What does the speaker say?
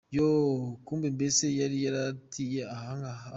Yoooo! kumbi mbese yari yaratiye ahaa haaa!!!.